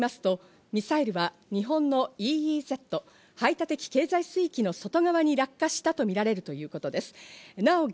また政府関係者によりますと、ミサイルは日本のＥＥＺ＝排他的経済水域の外側に落下したとみられということです。